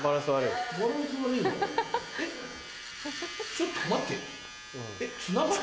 ちょっと待ってえっ。